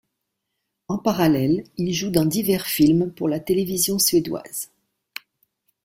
En parallèle il joue dans divers films pour la télévision suédoise.